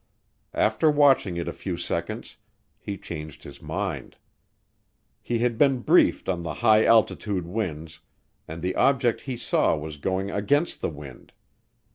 After watching it a few seconds, he changed his mind. He had been briefed on the high altitude winds, and the object he saw was going against the wind.